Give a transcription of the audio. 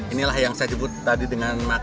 inilah yang saya sebut tadi dengan makan mewah